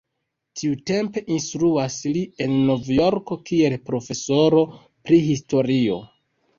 Tiutempe instruas li en Novjorko kiel profesoro pri historio.